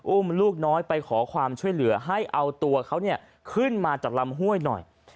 อุ้มลูกน้อยไปขอความช่วยเหลือให้เอาตัวเขาขึ้นมาจากลำห้วยหน่อย